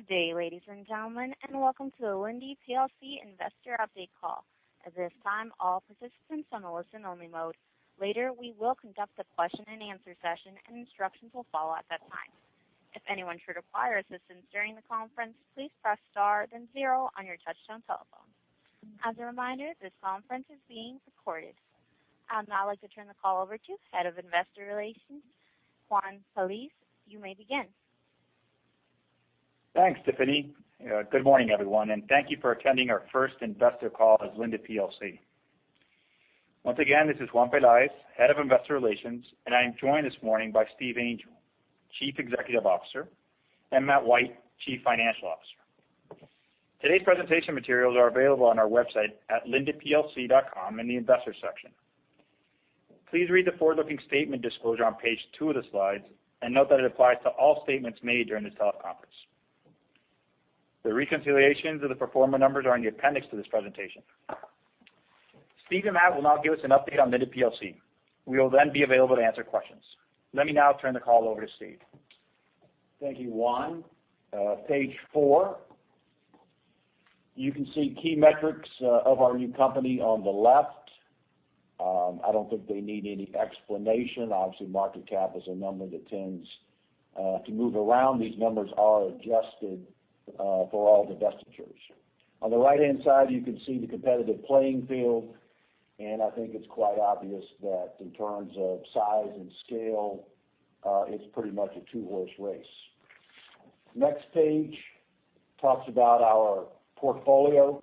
Good day, ladies and gentlemen, and welcome to the Linde PLC Investor Update Call. At this time, all participants are on a listen-only mode. Later, we will conduct a question and answer session, and instructions will follow at that time. If anyone should require assistance during the conference, please press star then zero on your touchtone telephone. As a reminder, this conference is being recorded. I would now like to turn the call over to Head of Investor Relations, Juan Pelaez. You may begin. Thanks, Tiffany. Good morning, everyone, and thank you for attending our first investor call as Linde plc. Once again, this is Juan Pelaez, Head of Investor Relations, and I am joined this morning by Steve Angel, Chief Executive Officer, and Matt White, Chief Financial Officer. Today's presentation materials are available on our website at linde.com in the Investors section. Please read the forward-looking statement disclosure on page two of the slides, and note that it applies to all statements made during this teleconference. The reconciliations of the pro forma numbers are in the appendix to this presentation. Steve and Matt will now give us an update on Linde plc. Let me now turn the call over to Steve. Thank you, Juan. Page four. You can see key metrics of our new company on the left. I don't think they need any explanation. Obviously, market cap is a number that tends to move around. These numbers are adjusted for all divestitures. On the right-hand side, you can see the competitive playing field, and I think it's quite obvious that in terms of size and scale, it's pretty much a two-horse race. Next page talks about our portfolio,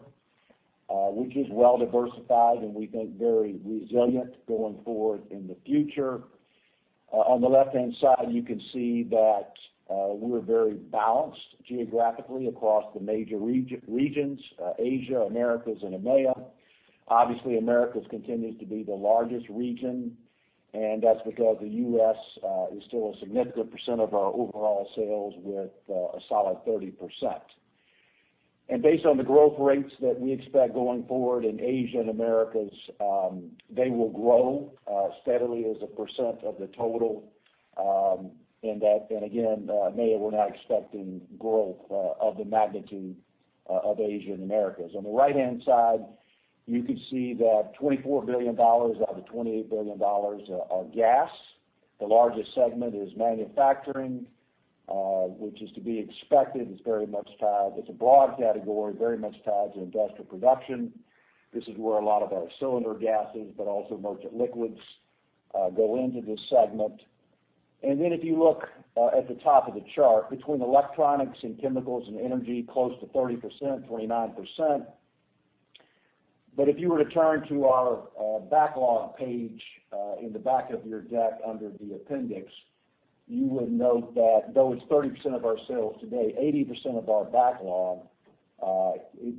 which is well-diversified and we think very resilient going forward in the future. On the left-hand side, you can see that we're very balanced geographically across the major regions: Asia, Americas, and EMEA. Obviously, Americas continues to be the largest region, and that's because the U.S. is still a significant percent of our overall sales with a solid 30%. Based on the growth rates that we expect going forward in Asia and Americas, they will grow steadily as a percent of the total. Again, EMEA, we're not expecting growth of the magnitude of Asia and Americas. On the right-hand side, you can see that $24 billion out of $28 billion are gas. The largest segment is manufacturing, which is to be expected. It's a broad category, very much tied to industrial production. This is where a lot of our cylinder gases, but also merchant liquids go into this segment. Then if you look at the top of the chart, between electronics and chemicals and energy, close to 40%, 39%. If you were to turn to our backlog page in the back of your deck under the appendix, you would note that though it's 30% of our sales today, 80% of our backlog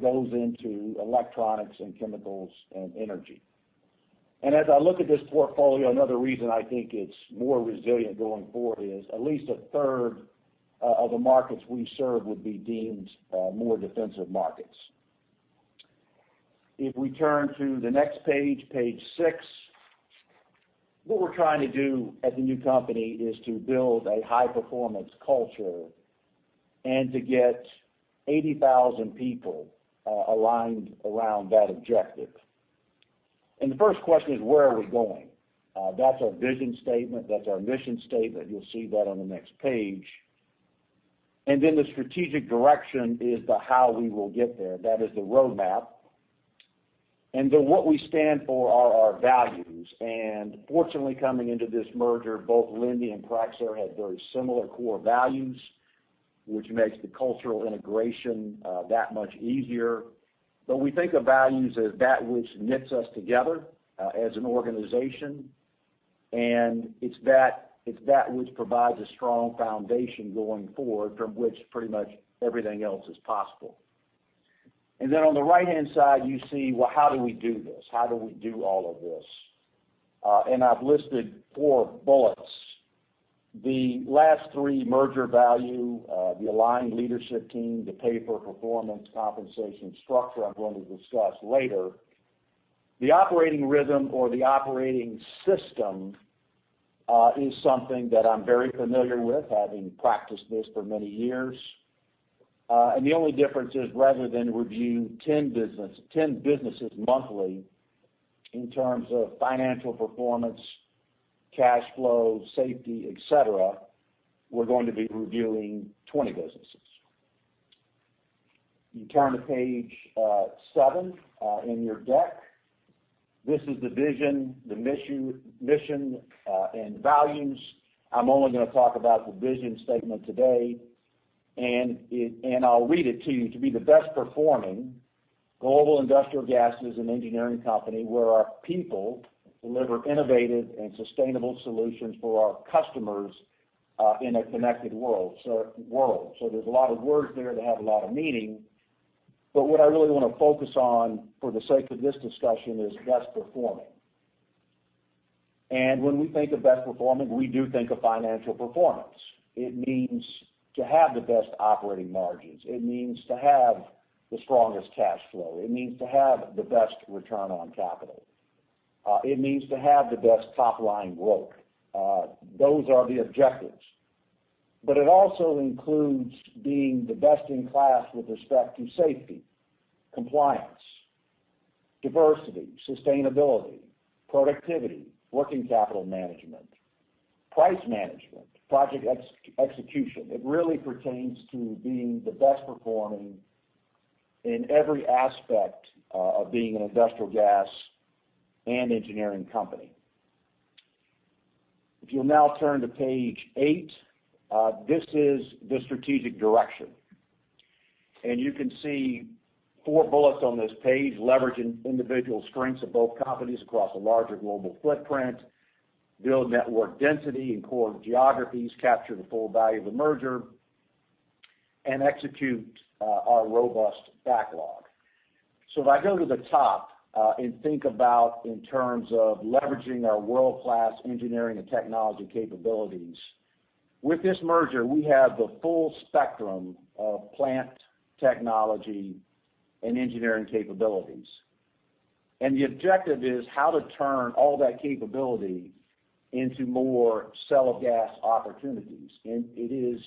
goes into electronics and chemicals and energy. As I look at this portfolio, another reason I think it's more resilient going forward is at least a third of the markets we serve would be deemed more defensive markets. If we turn to the next page six. What we're trying to do as a new company is to build a high-performance culture and to get 80,000 people aligned around that objective. The first question is, where are we going? That's our vision statement. That's our mission statement. You'll see that on the next page. Then the strategic direction is the how we will get there. That is the road map. The what we stand for are our values. Fortunately, coming into this merger, both Linde and Praxair had very similar core values, which makes the cultural integration that much easier. We think of values as that which knits us together as an organization. It's that which provides a strong foundation going forward from which pretty much everything else is possible. Then on the right-hand side, you see, well, how do we do this? How do we do all of this? I've listed four bullets. The last three, merger value, the aligned leadership team, the pay-for-performance compensation structure I'm going to discuss later. The operating rhythm or the operating system is something that I'm very familiar with, having practiced this for many years. The only difference is rather than review 10 businesses monthly in terms of financial performance, cash flow, safety, et cetera, we're going to be reviewing 20 businesses. You turn to page seven in your deck. This is the vision, the mission, and values. I'm only going to talk about the vision statement today, and I'll read it to you. To be the best performing global industrial gases and engineering company where our people deliver innovative and sustainable solutions for our customers in a connected world. There's a lot of words there that have a lot of meaning. What I really want to focus on for the sake of this discussion is best performing. When we think of best performing, we do think of financial performance. It means to have the best operating margins. It means to have the strongest cash flow. It means to have the best return on capital. It means to have the best top-line growth. Those are the objectives. It also includes being the best in class with respect to safety, compliance, diversity, sustainability, productivity, working capital management, price management, project execution. It really pertains to being the best performing in every aspect of being an industrial gas and engineering company. If you'll now turn to page eight, this is the strategic direction. You can see four bullets on this page leveraging individual strengths of both companies across a larger global footprint, build network density in core geographies, capture the full value of the merger, and execute our robust backlog. If I go to the top and think about in terms of leveraging our world-class engineering and technology capabilities. With this merger, we have the full spectrum of plant technology and engineering capabilities. The objective is how to turn all that capability into more sell of gas opportunities. It is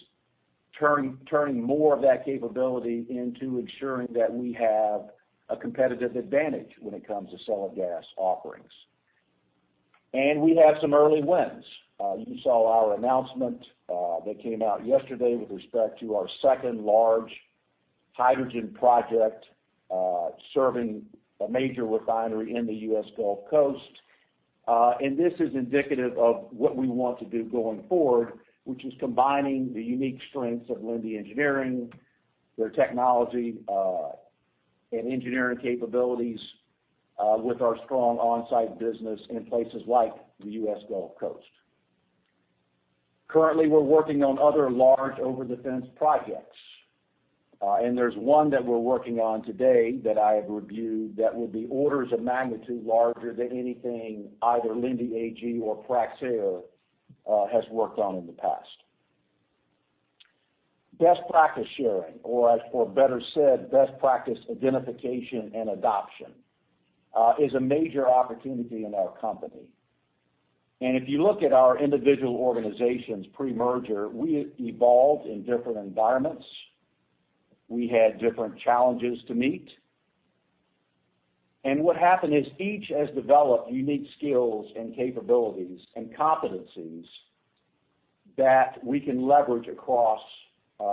turning more of that capability into ensuring that we have a competitive advantage when it comes to sell of gas offerings. We have some early wins. You saw our announcement that came out yesterday with respect to our second large hydrogen project serving a major refinery in the U.S. Gulf Coast. This is indicative of what we want to do going forward, which is combining the unique strengths of Linde Engineering, their technology, and engineering capabilities with our strong on-site business in places like the U.S. Gulf Coast. Currently, we're working on other large over-the-fence projects. There's one that we're working on today that I have reviewed that will be orders of magnitude larger than anything either Linde AG or Praxair has worked on in the past. Best practice sharing, or better said, best practice identification and adoption, is a major opportunity in our company. If you look at our individual organizations pre-merger, we evolved in different environments. We had different challenges to meet. What happened is each has developed unique skills and capabilities and competencies that we can leverage across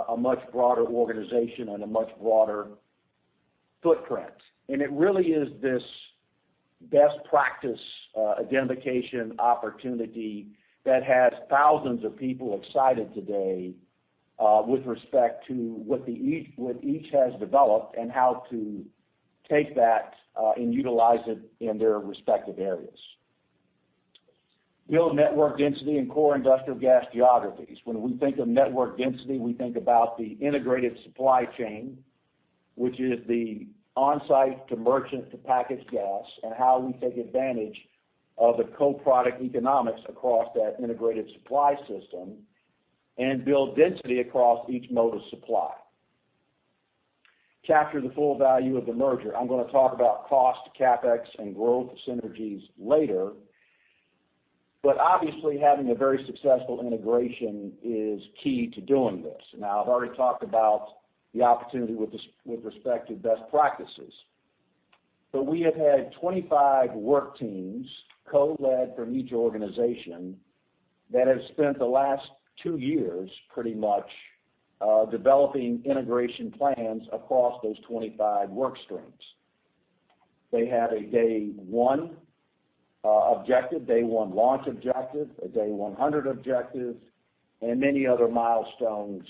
a much broader organization and a much broader footprint. It really is this best practice identification opportunity that has thousands of people excited today with respect to what each has developed and how to take that and utilize it in their respective areas. Build network density in core industrial gas geographies. When we think of network density, we think about the integrated supply chain, which is the on-site to merchant to packaged gas, and how we take advantage of the co-product economics across that integrated supply system and build density across each mode of supply. Capture the full value of the merger. I'm going to talk about cost, CapEx, and growth synergies later. Obviously, having a very successful integration is key to doing this. Now, I've already talked about the opportunity with respect to best practices. We have had 25 work teams, co-led from each organization, that have spent the last two years pretty much developing integration plans across those 25 work streams. They had a day one objective, day one launch objective, a day 100 objective, and many other milestones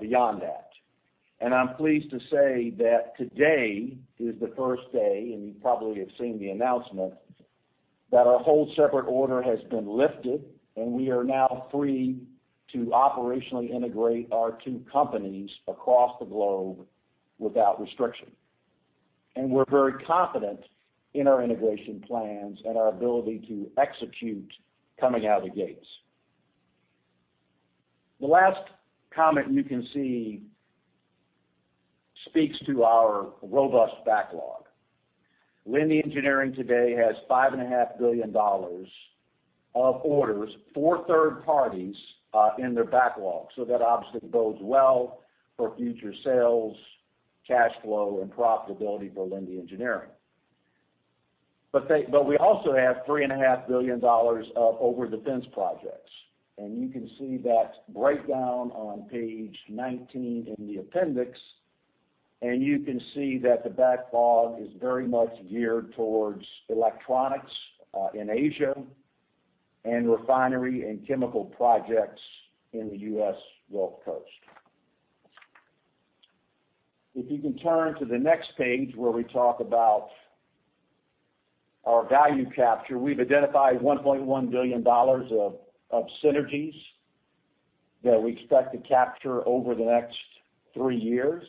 beyond that. I'm pleased to say that today is the first day, and you probably have seen the announcement, that our hold separate order has been lifted, and we are now free to operationally integrate our two companies across the globe without restriction. We're very confident in our integration plans and our ability to execute coming out of the gates. The last comment you can see speaks to our robust backlog. Linde Engineering today has $5.5 billion of orders for third parties in their backlog. So that obviously bodes well for future sales, cash flow, and profitability for Linde Engineering. We also have $3.5 billion of over-the-fence projects. You can see that breakdown on page 19 in the appendix. You can see that the backlog is very much geared towards electronics in Asia and refinery and chemical projects in the U.S. Gulf Coast. If you can turn to the next page where we talk about our value capture. We've identified $1.1 billion of synergies that we expect to capture over the next three years.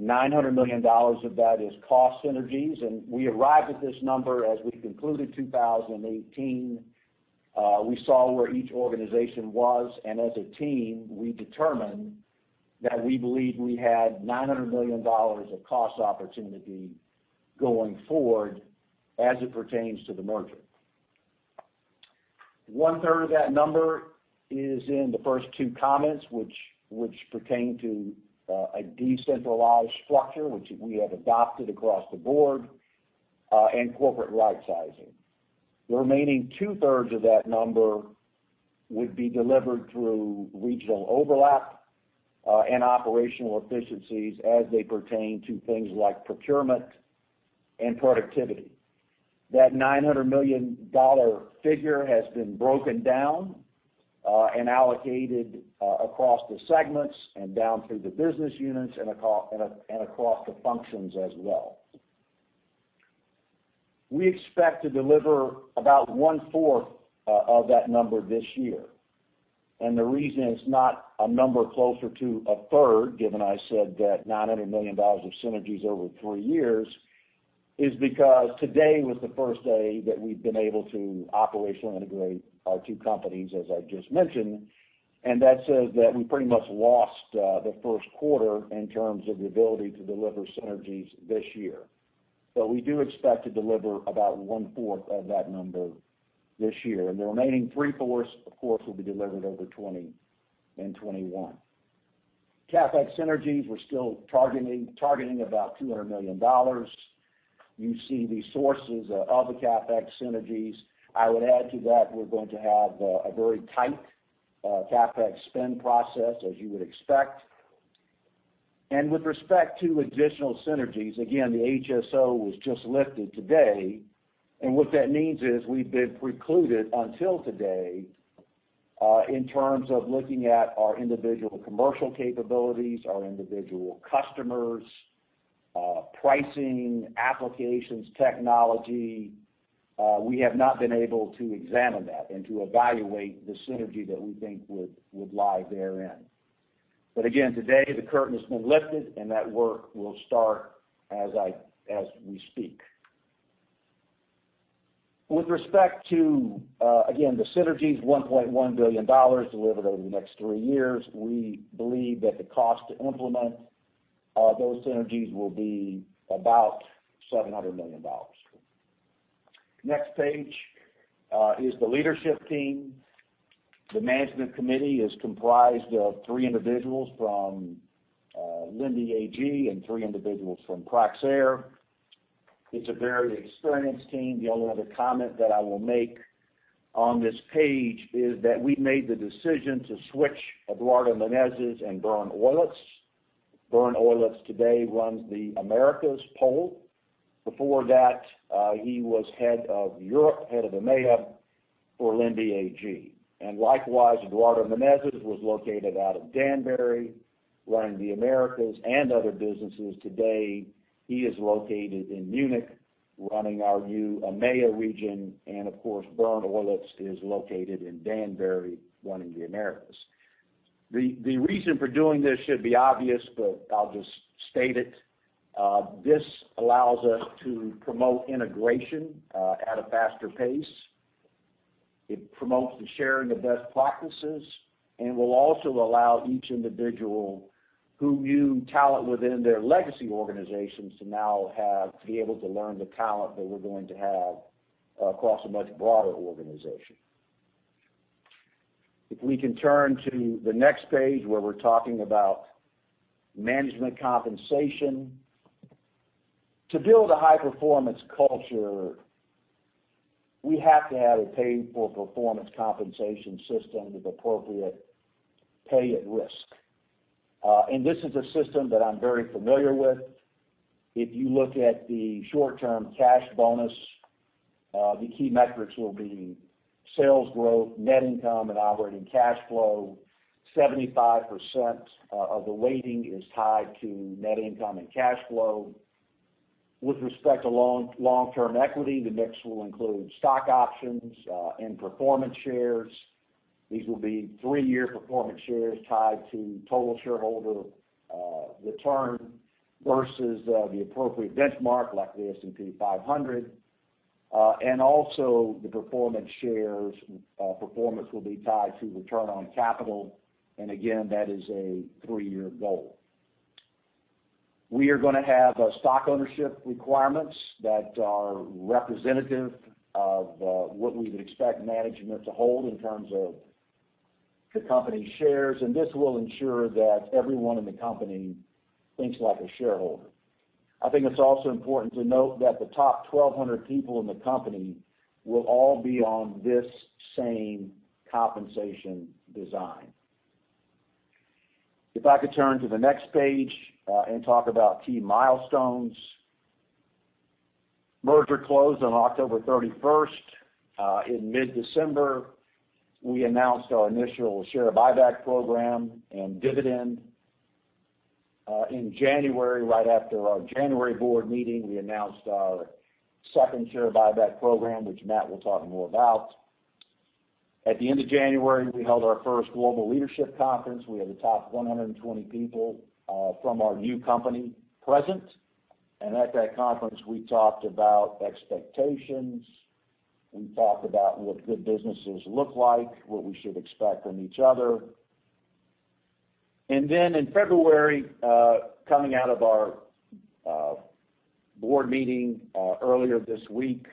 $900 million of that is cost synergies. We arrived at this number as we concluded 2018. We saw where each organization was, and as a team, we determined that we believe we had $900 million of cost opportunity going forward as it pertains to the merger. One third of that number is in the first two comments, which pertain to a decentralized structure, which we have adopted across the board, and corporate rightsizing. The remaining two thirds of that number would be delivered through regional overlap and operational efficiencies as they pertain to things like procurement and productivity. That $900 million figure has been broken down and allocated across the segments and down through the business units and across the functions as well. We expect to deliver about one-fourth of that number this year. The reason it's not a number closer to a third, given I said that $900 million of synergies over three years, is because today was the first day that we've been able to operationally integrate our two companies, as I just mentioned, and that says that we pretty much lost the first quarter in terms of the ability to deliver synergies this year. We do expect to deliver about one-fourth of that number this year, and the remaining three-fourths, of course, will be delivered over 2020 and 2021. CapEx synergies, we're still targeting about $200 million. You see the sources of the CapEx synergies. I would add to that, we're going to have a very tight CapEx spend process, as you would expect. With respect to additional synergies, again, the HSO was just lifted today, and what that means is we've been precluded until today in terms of looking at our individual commercial capabilities, our individual customers, pricing, applications, technology. We have not been able to examine that and to evaluate the synergy that we think would lie therein. Again, today, the curtain has been lifted, and that work will start as we speak. With respect to, again, the synergies, $1.1 billion delivered over the next three years, we believe that the cost to implement those synergies will be about $700 million. Next page is the leadership team. The management committee is comprised of three individuals from Linde AG and three individuals from Praxair. It's a very experienced team. The only other comment that I will make on this page is that we made the decision to switch Eduardo Menezes and Bernd Eulitz. Bernd Eulitz today runs the Americas pole. Before that, he was head of Europe, head of EMEA for Linde AG. Likewise, Eduardo Menezes was located out of Danbury running the Americas and other businesses. Today, he is located in Munich running our new EMEA region. Of course, Bernd Eulitz is located in Danbury running the Americas. The reason for doing this should be obvious, but I will just state it. This allows us to promote integration at a faster pace. It promotes the sharing of best practices and will also allow each individual who knew talent within their legacy organizations to now be able to learn the talent that we're going to have across a much broader organization. If we can turn to the next page, where we're talking about management compensation. To build a high-performance culture, we have to have a pay-for-performance compensation system with appropriate pay at risk. This is a system that I'm very familiar with. If you look at the short-term cash bonus, the key metrics will be sales growth, net income, and operating cash flow. 75% of the weighting is tied to net income and cash flow. With respect to long-term equity, the mix will include stock options and performance shares. These will be three-year performance shares tied to total shareholder return versus the appropriate benchmark like the S&P 500. Also, the performance shares performance will be tied to return on capital. Again, that is a three-year goal. We are going to have stock ownership requirements that are representative of what we would expect management to hold in terms of the company shares, and this will ensure that everyone in the company thinks like a shareholder. I think it's also important to note that the top 1,200 people in the company will all be on this same compensation design. If I could turn to the next page and talk about key milestones. Merger closed on October 31st. In mid-December, we announced our initial share buyback program and dividend. In January, right after our January board meeting, we announced our second share buyback program, which Matt will talk more about. At the end of January, we held our first global leadership conference. We had the top 120 people from our new company present. At that conference, we talked about expectations. We talk about what good businesses look like, what we should expect from each other. In February, coming out of our board meeting earlier this week,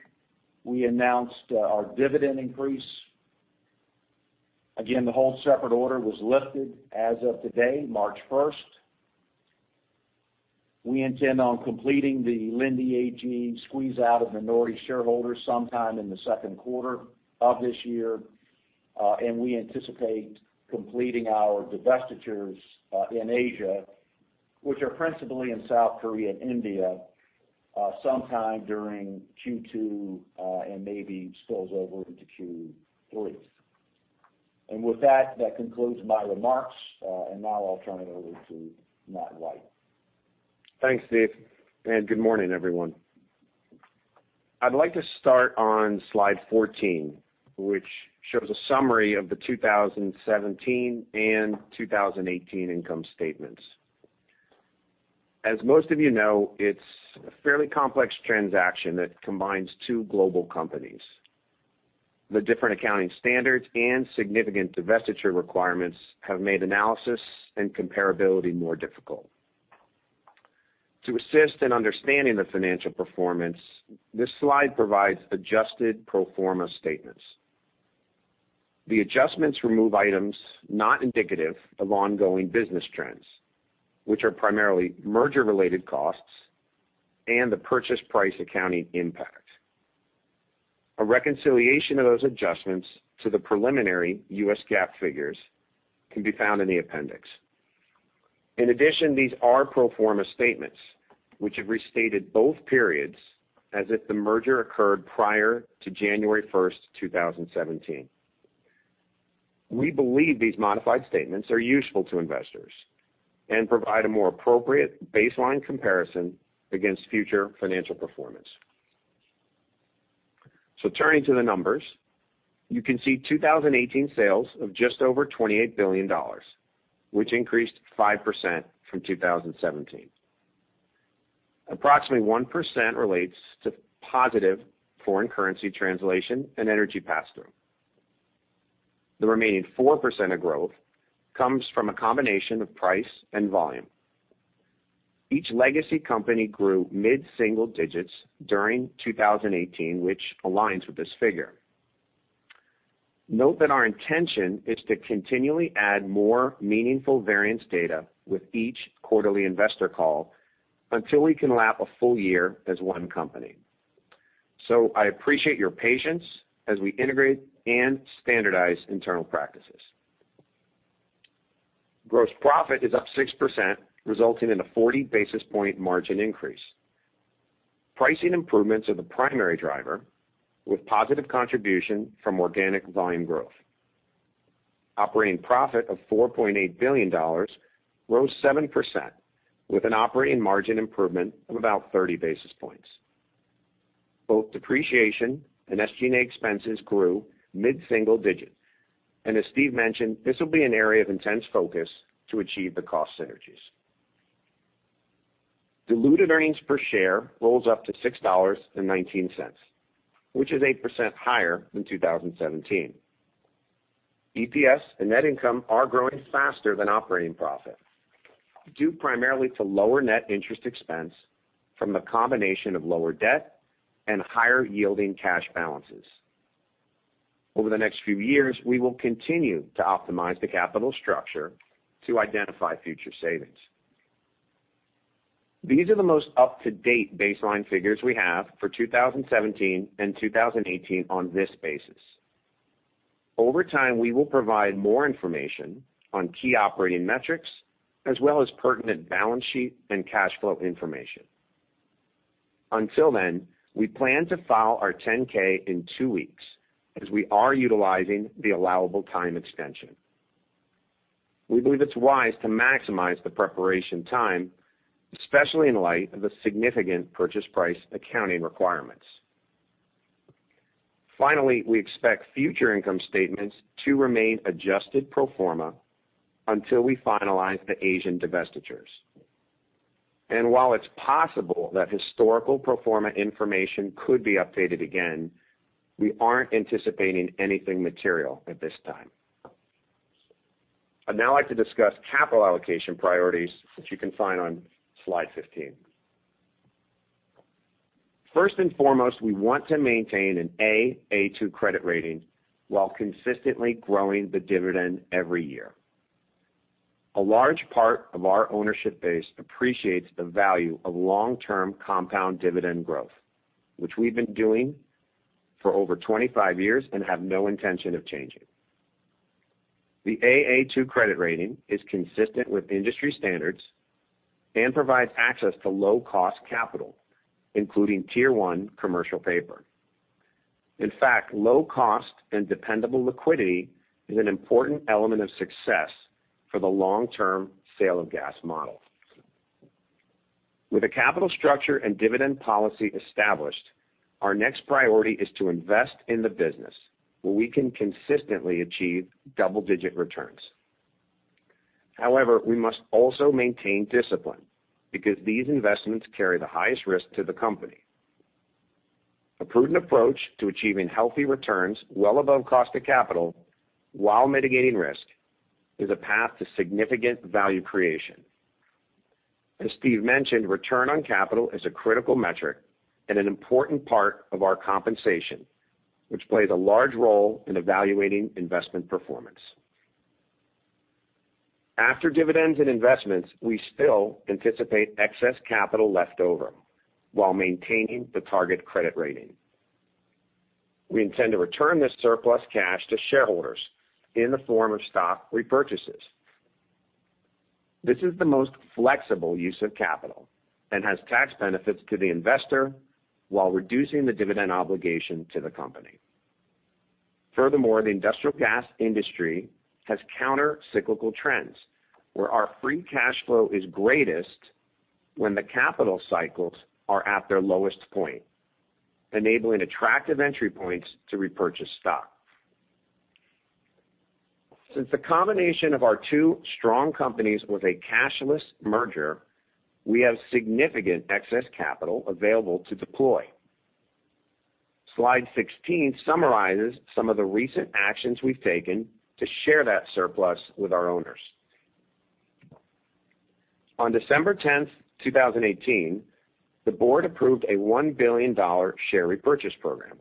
we announced our dividend increase. Again, the hold separate order was lifted as of today, March 1st. We intend on completing the Linde AG squeeze-out of minority shareholders sometime in the second quarter of this year, and we anticipate completing our divestitures in Asia, which are principally in South Korea and India, sometime during Q2, and maybe spills over into Q3. With that concludes my remarks. Now I'll turn it over to Matt White. Thanks, Steve, and good morning, everyone. I'd like to start on slide 14, which shows a summary of the 2017 and 2018 income statements. As most of you know, it's a fairly complex transaction that combines two global companies. The different accounting standards and significant divestiture requirements have made analysis and comparability more difficult. To assist in understanding the financial performance, this slide provides adjusted pro forma statements. The adjustments remove items not indicative of ongoing business trends, which are primarily merger-related costs and the purchase price accounting impact. A reconciliation of those adjustments to the preliminary U.S. GAAP figures can be found in the appendix. In addition, these are pro forma statements which have restated both periods as if the merger occurred prior to January 1st, 2017. We believe these modified statements are useful to investors and provide a more appropriate baseline comparison against future financial performance. Turning to the numbers. You can see 2018 sales of just over $28 billion, which increased 5% from 2017. Approximately 1% relates to positive foreign currency translation and energy pass-through. The remaining 4% of growth comes from a combination of price and volume. Each legacy company grew mid-single digits during 2018, which aligns with this figure. Note that our intention is to continually add more meaningful variance data with each quarterly investor call until we can lap a full year as one company. I appreciate your patience as we integrate and standardize internal practices. Gross profit is up 6%, resulting in a 40-basis-point margin increase. Pricing improvements are the primary driver, with positive contribution from organic volume growth. Operating profit of $4.8 billion rose 7%, with an operating margin improvement of about 30 basis points. Both depreciation and SG&A expenses grew mid-single digits, as Steve mentioned, this will be an area of intense focus to achieve the cost synergies. Diluted earnings per share rose up to $6.19, which is 8% higher than 2017. EPS and net income are growing faster than operating profit, due primarily to lower net interest expense from the combination of lower debt and higher-yielding cash balances. Over the next few years, we will continue to optimize the capital structure to identify future savings. These are the most up-to-date baseline figures we have for 2017 and 2018 on this basis. Over time, we will provide more information on key operating metrics as well as pertinent balance sheet and cash flow information. Until then, we plan to file our 10-K in 2 weeks, as we are utilizing the allowable time extension. We believe it's wise to maximize the preparation time, especially in light of the significant purchase price accounting requirements. We expect future income statements to remain adjusted pro forma until we finalize the Asian divestitures. While it's possible that historical pro forma information could be updated again, we aren't anticipating anything material at this time. I'd now like to discuss capital allocation priorities that you can find on slide 15. First and foremost, we want to maintain an A, A2 credit rating while consistently growing the dividend every year. A large part of our ownership base appreciates the value of long-term compound dividend growth, which we've been doing for over 25 years and have no intention of changing. The A, A2 credit rating is consistent with industry standards and provides access to low-cost capital, including Tier 1 commercial paper. Low cost and dependable liquidity is an important element of success for the long-term sale of gas model. With the capital structure and dividend policy established, our next priority is to invest in the business where we can consistently achieve double-digit returns. However, we must also maintain discipline because these investments carry the highest risk to the company. A prudent approach to achieving healthy returns well above cost of capital while mitigating risk is a path to significant value creation. As Steve mentioned, return on capital is a critical metric and an important part of our compensation, which plays a large role in evaluating investment performance. After dividends and investments, we still anticipate excess capital left over while maintaining the target credit rating. We intend to return this surplus cash to shareholders in the form of stock repurchases. This is the most flexible use of capital and has tax benefits to the investor while reducing the dividend obligation to the company. Furthermore, the industrial gas industry has counter-cyclical trends where our free cash flow is greatest when the capital cycles are at their lowest point, enabling attractive entry points to repurchase stock. Since the combination of our two strong companies was a cashless merger, we have significant excess capital available to deploy. Slide 16 summarizes some of the recent actions we've taken to share that surplus with our owners. On December 10th, 2018, the board approved a $1 billion share repurchase program.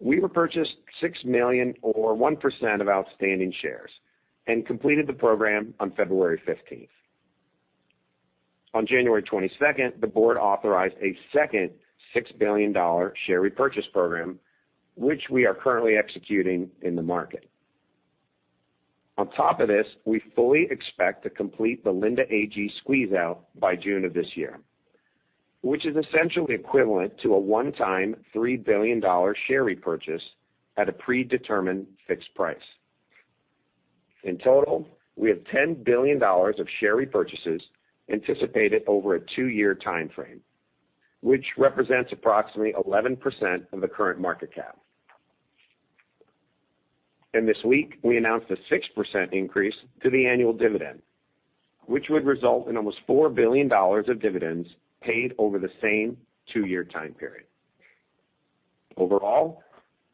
We repurchased 6 million or 1% of outstanding shares and completed the program on February 15th. On January 22nd, the board authorized a second $6 billion share repurchase program, which we are currently executing in the market. On top of this, we fully expect to complete the Linde AG squeeze-out by June of this year, which is essentially equivalent to a one-time $3 billion share repurchase at a predetermined fixed price. In total, we have $10 billion of share repurchases anticipated over a two-year timeframe, which represents approximately 11% of the current market cap. This week, we announced a 6% increase to the annual dividend, which would result in almost $4 billion of dividends paid over the same two-year time period. Overall,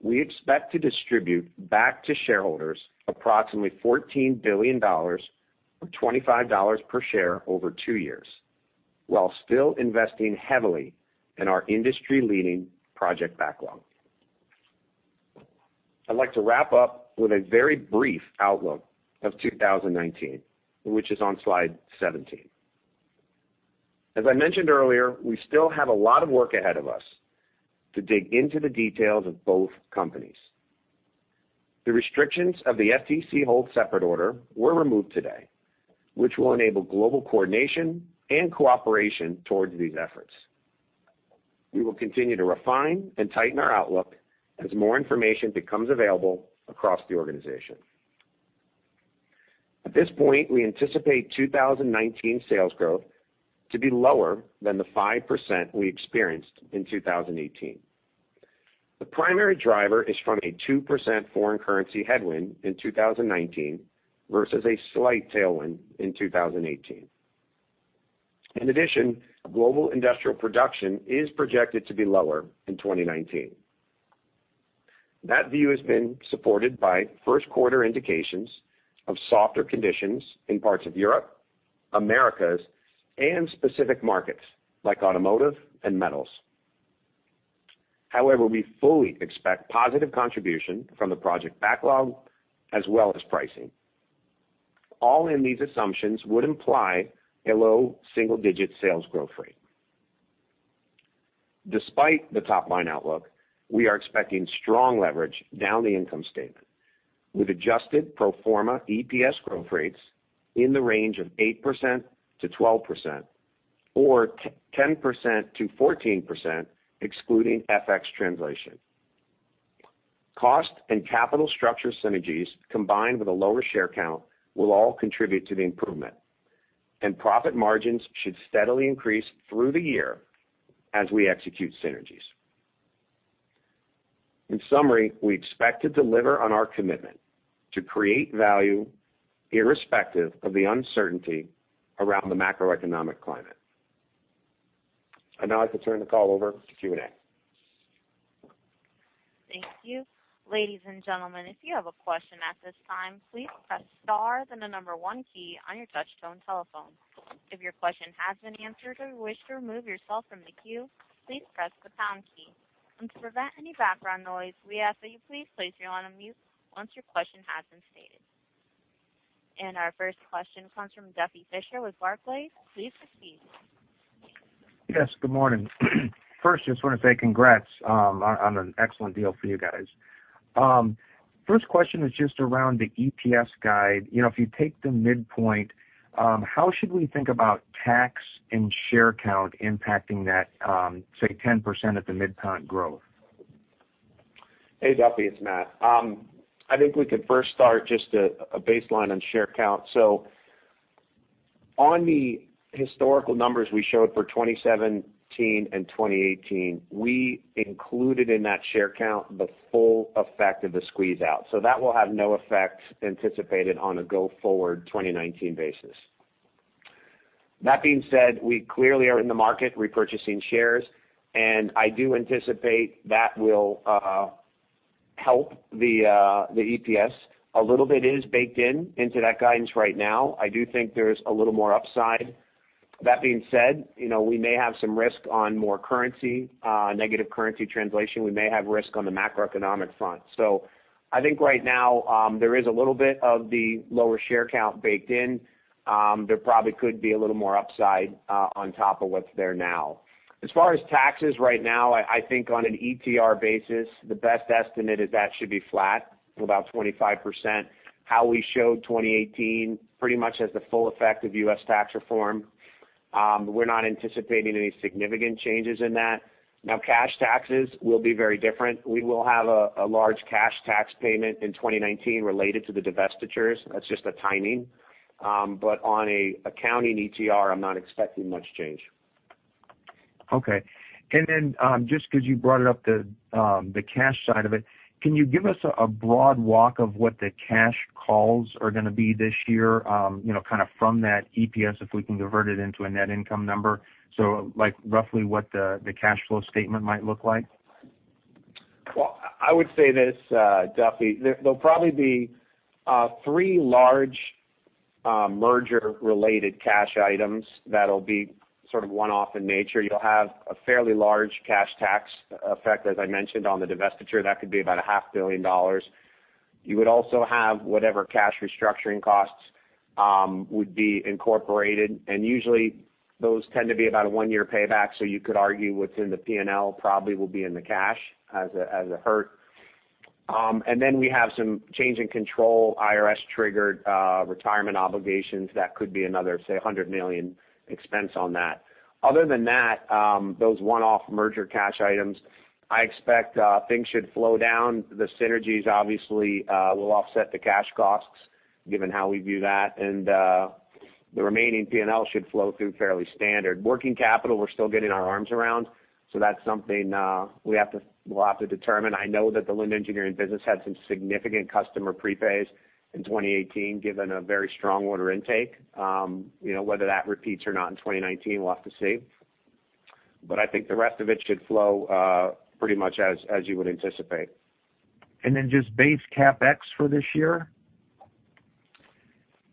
we expect to distribute back to shareholders approximately $14 billion or $25 per share over two years, while still investing heavily in our industry-leading project backlog. I'd like to wrap up with a very brief outlook of 2019, which is on slide 17. As I mentioned earlier, we still have a lot of work ahead of us to dig into the details of both companies. The restrictions of the FTC hold separate order were removed today, which will enable global coordination and cooperation towards these efforts. We will continue to refine and tighten our outlook as more information becomes available across the organization. At this point, we anticipate 2019 sales growth to be lower than the 5% we experienced in 2018. The primary driver is from a 2% foreign currency headwind in 2019 versus a slight tailwind in 2018. In addition, global industrial production is projected to be lower in 2019. That view has been supported by first quarter indications of softer conditions in parts of Europe, Americas, and specific markets like automotive and metals. However, we fully expect positive contribution from the project backlog as well as pricing. All in these assumptions would imply a low single-digit sales growth rate. Despite the top-line outlook, we are expecting strong leverage down the income statement with adjusted pro forma EPS growth rates in the range of 8%-12% or 10%-14%, excluding FX translation. Cost and capital structure synergies, combined with a lower share count, will all contribute to the improvement, and profit margins should steadily increase through the year as we execute synergies. In summary, we expect to deliver on our commitment to create value irrespective of the uncertainty around the macroeconomic climate. Now I'd like to turn the call over to Q&A. Thank you. Ladies and gentlemen, if you have a question at this time, please press star, then the number one key on your touch-tone telephone. If your question has been answered or you wish to remove yourself from the queue, please press the pound key. To prevent any background noise, we ask that you please place yourself on mute once your question has been stated. Our first question comes from Duffy Fischer with Barclays. Please proceed. Yes, good morning. First, just want to say congrats on an excellent deal for you guys. First question is just around the EPS guide. If you take the midpoint, how should we think about tax and share count impacting that, say, 10% at the midpoint growth? Hey, Duffy, it's Matt. I think we could first start just a baseline on share count. On the historical numbers we showed for 2017 and 2018, we included in that share count the full effect of the squeeze out. That will have no effect anticipated on a go-forward 2019 basis. That being said, we clearly are in the market repurchasing shares, and I do anticipate that will help the EPS. A little bit is baked in that guidance right now. I do think there's a little more upside. That being said, we may have some risk on more currency, negative currency translation. We may have risk on the macroeconomic front. I think right now, there is a little bit of the lower share count baked in. There probably could be a little more upside on top of what's there now. As far as taxes right now, I think on an ETR basis, the best estimate is that should be flat to about 25%. How we showed 2018 pretty much has the full effect of U.S. tax reform. We're not anticipating any significant changes in that. Cash taxes will be very different. We will have a large cash tax payment in 2019 related to the divestitures. That's just the timing. On accounting ETR, I'm not expecting much change. Okay. Just because you brought it up, the cash side of it, can you give us a broad walk of what the cash calls are going to be this year, kind of from that EPS, if we can convert it into a net income number? Like roughly what the cash flow statement might look like? Well, I would say this, Duffy. There'll probably be 3 large merger-related cash items that'll be sort of one-off in nature. You'll have a fairly large cash tax effect, as I mentioned, on the divestiture. That could be about a half billion dollars. Usually those tend to be about a one-year payback, so you could argue what's in the P&L probably will be in the cash as a hurt. We have some change in control, IRS-triggered retirement obligations. That could be another, say, $100 million expense on that. Other than that, those one-off merger cash items, I expect things should flow down. The synergies obviously will offset the cash costs, given how we view that, the remaining P&L should flow through fairly standard. Working capital, we're still getting our arms around, that's something we'll have to determine. I know that the Linde Engineering business had some significant customer prepays in 2018, given a very strong order intake. Whether that repeats or not in 2019, we'll have to see. I think the rest of it should flow pretty much as you would anticipate. Just base CapEx for this year?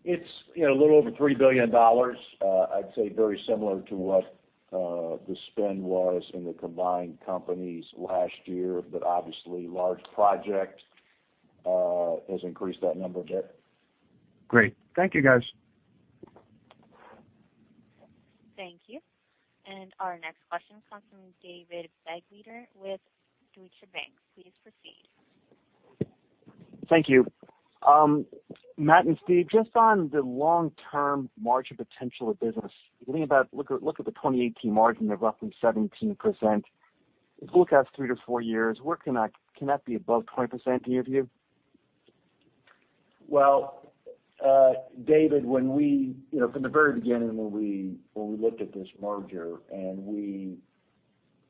It's a little over $3 billion. I'd say very similar to what the spend was in the combined companies last year, obviously large project has increased that number a bit. Great. Thank you, guys. Thank you. Our next question comes from David Begleiter with Deutsche Bank. Please proceed. Thank you. Matt and Steve, just on the long-term margin potential of business, look at the 2018 margin of roughly 17%. If you look out three to four years, can that be above 20%, either of you? Well, David, from the very beginning, when we looked at this merger, when we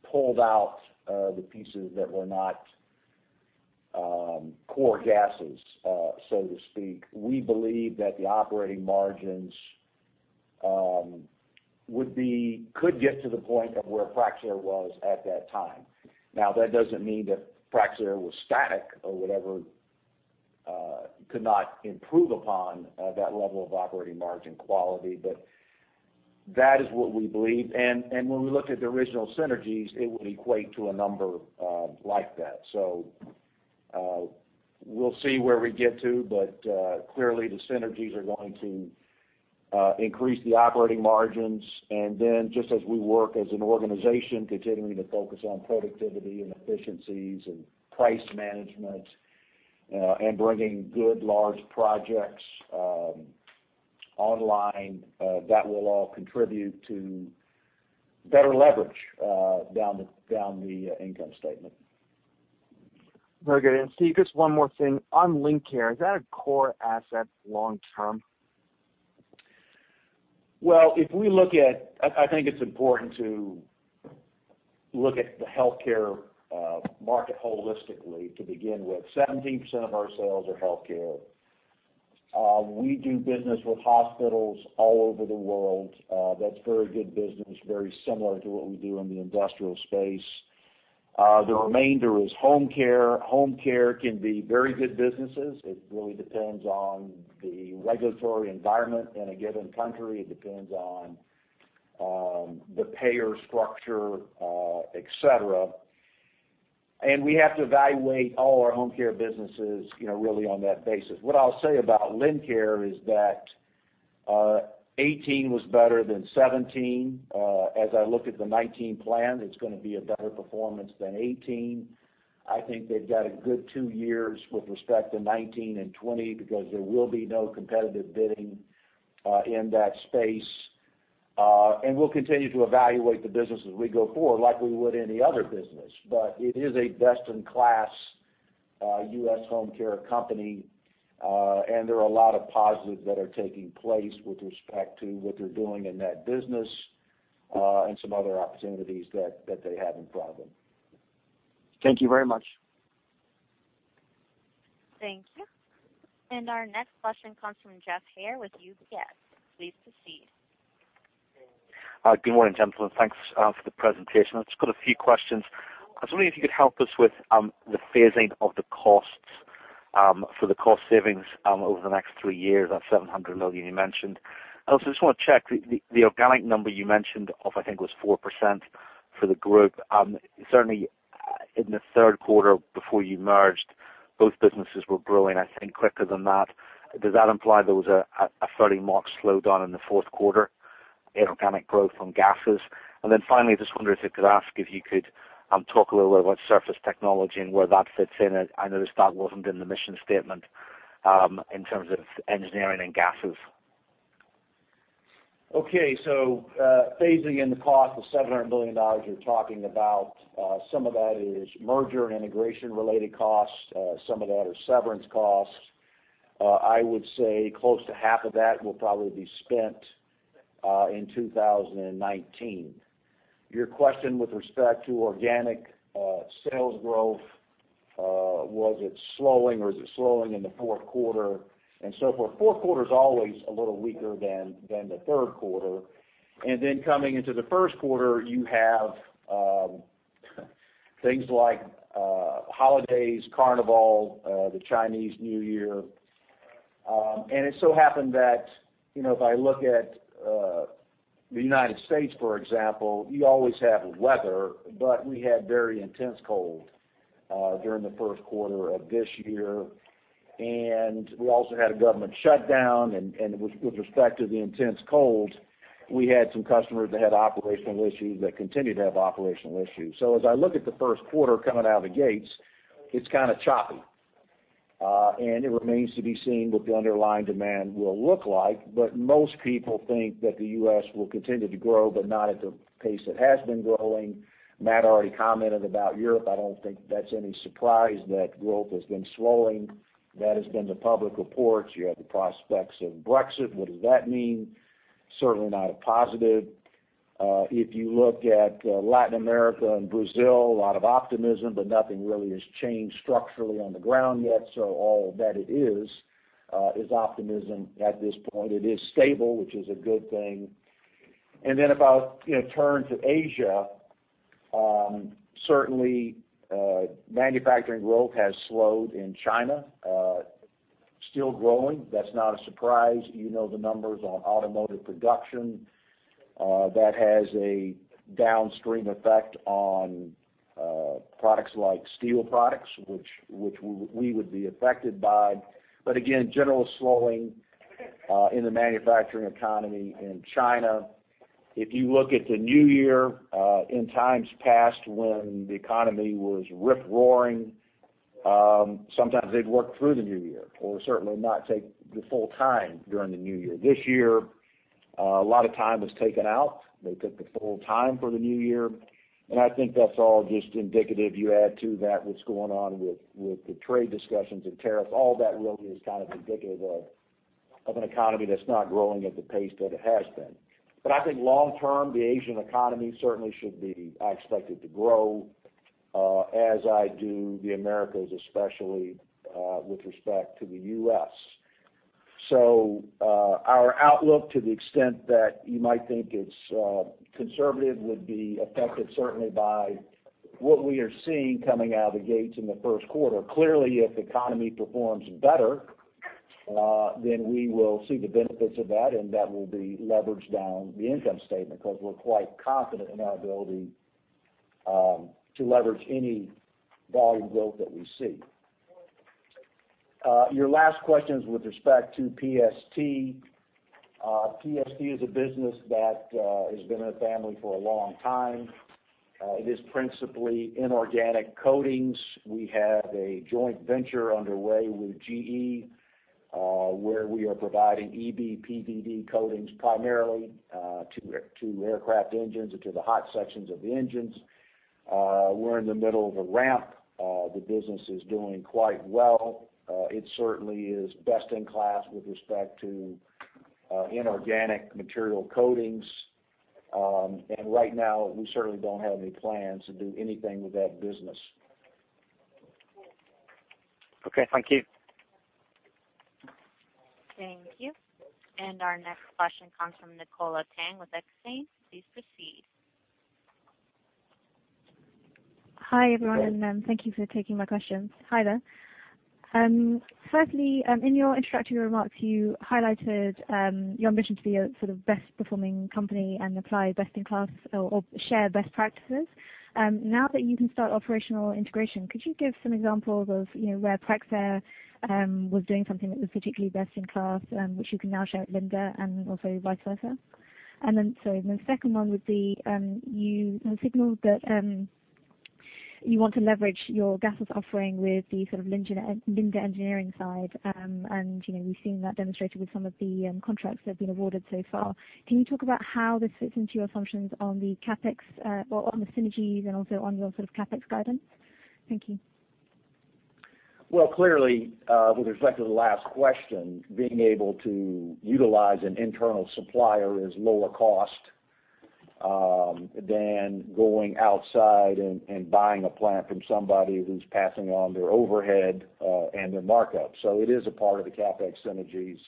pulled out the pieces that were not core gases, so to speak, we believed that the operating margins could get to the point of where Praxair was at that time. That doesn't mean that Praxair was static or whatever, could not improve upon that level of operating margin quality. That is what we believed. When we looked at the original synergies, it would equate to a number like that. We'll see where we get to, but clearly the synergies are going to increase the operating margins. Just as we work as an organization, continuing to focus on productivity and efficiencies and price management, and bringing good large projects online, that will all contribute to better leverage down the income statement. Very good. Steve, just one more thing. On Lincare, is that a core asset long term? Well, I think it's important to look at the healthcare market holistically to begin with. 17% of our sales are healthcare. We do business with hospitals all over the world. That's very good business, very similar to what we do in the industrial space. The remainder is home care. Home care can be very good businesses. It really depends on the regulatory environment in a given country. It depends on the payer structure, et cetera. We have to evaluate all our home care businesses really on that basis. What I'll say about Lincare is that 2018 was better than 2017. As I look at the 2019 plan, it's going to be a better performance than 2018. I think they've got a good two years with respect to 2019 and 2020 because there will be no competitive bidding in that space We'll continue to evaluate the business as we go forward, like we would any other business. It is a best-in-class U.S. home care company. There are a lot of positives that are taking place with respect to what they're doing in that business, and some other opportunities that they have in front of them. Thank you very much. Thank you. Our next question comes from Joshua Spector with UBS. Please proceed. Good morning, gentlemen. Thanks for the presentation. I've just got a few questions. I was wondering if you could help us with the phasing of the costs for the cost savings over the next three years. That $700 million you mentioned. I also just want to check, the organic number you mentioned of, I think, was 4% for the group. Certainly, in the third quarter before you merged, both businesses were growing, I think, quicker than that. Does that imply there was a fairly marked slowdown in the fourth quarter in organic growth from gases? Finally, I just wonder if I could ask if you could talk a little bit about surface technology and where that fits in. I noticed that wasn't in the mission statement in terms of engineering and gases. Okay. Phasing in the cost of $700 million you're talking about, some of that is merger and integration related costs. Some of that are severance costs. I would say close to half of that will probably be spent in 2019. Your question with respect to organic sales growth, was it slowing or is it slowing in the fourth quarter and so forth. Fourth quarter's always a little weaker than the third quarter. Coming into the first quarter, you have things like holidays, Carnival, the Chinese New Year. It so happened that, if I look at the U.S., for example, you always have weather, but we had very intense cold during the first quarter of this year. We also had a government shutdown. With respect to the intense cold, we had some customers that had operational issues that continue to have operational issues. As I look at the first quarter coming out of the gates, it's kind of choppy. It remains to be seen what the underlying demand will look like. Most people think that the U.S. will continue to grow, but not at the pace it has been growing. Matt already commented about Europe. I don't think that's any surprise that growth has been slowing. That has been the public reports. You have the prospects of Brexit. What does that mean? Certainly not a positive. If you look at Latin America and Brazil, a lot of optimism, nothing really has changed structurally on the ground yet. All that it is optimism at this point. It is stable, which is a good thing. If I turn to Asia, certainly, manufacturing growth has slowed in China. Still growing. That's not a surprise. You know the numbers on automotive production. That has a downstream effect on products like steel products, which we would be affected by. Again, general slowing in the manufacturing economy in China. If you look at the new year, in times past when the economy was rip-roaring, sometimes they'd work through the new year, or certainly not take the full time during the new year. This year, a lot of time was taken out. They took the full time for the new year. I think that's all just indicative. You add to that what's going on with the trade discussions and tariffs. All that really is kind of indicative of an economy that's not growing at the pace that it has been. I think long term, the Asian economy certainly should be expected to grow, as I do the Americas, especially with respect to the U.S. Our outlook, to the extent that you might think it's conservative, would be affected certainly by what we are seeing coming out of the gates in the first quarter. Clearly, if the economy performs better, we will see the benefits of that will be leveraged down the income statement because we're quite confident in our ability to leverage any volume growth that we see. Your last question is with respect to PST. PST is a business that has been in the family for a long time. It is principally inorganic coatings. We have a joint venture underway with GE, where we are providing EB PVD coatings primarily to aircraft engines and to the hot sections of the engines. We're in the middle of a ramp. The business is doing quite well. It certainly is best in class with respect to inorganic material coatings. Right now, we certainly don't have any plans to do anything with that business. Okay. Thank you. Thank you. Our next question comes from Nicola Tang with Exane. Please proceed. Hi, everyone, thank you for taking my questions. Hi there. Firstly, in your introductory remarks, you highlighted your ambition to be a sort of best performing company and apply best in class or share best practices. Now that you can start operational integration, could you give some examples of where Praxair was doing something that was particularly best in class, which you can now share at Linde and also vice versa? The second one would be, you signaled that you want to leverage your gases offering with the Linde Engineering side. We've seen that demonstrated with some of the contracts that have been awarded so far. Can you talk about how this fits into your assumptions on the CapEx, on the synergies, and also on your sort of CapEx guidance? Thank you. Well, clearly, with respect to the last question, being able to utilize an internal supplier is lower cost than going outside and buying a plant from somebody who's passing on their overhead and their markup. It is a part of the CapEx synergies,